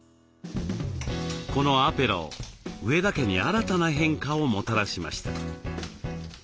このアペロ上田家に新たな変化をもたらしました。